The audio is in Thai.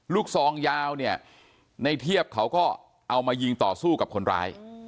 ซองยาวเนี่ยในเทียบเขาก็เอามายิงต่อสู้กับคนร้าย